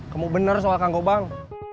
kamu bener soal kang obang